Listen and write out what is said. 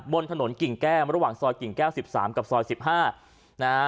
บนถนนกิ่งแก้มระหว่างซอยกิ่งแก้วสิบสามกับซอยสิบห้านะฮะ